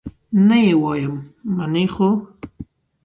نه یې وایم، منې خو؟